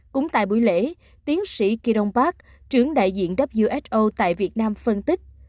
cũng tại buổi lễ tiến sĩ kiron park trưởng đại diện who tại việt nam phân tích